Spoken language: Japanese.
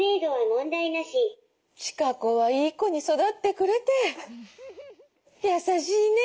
千香子はいい子に育ってくれて優しいね。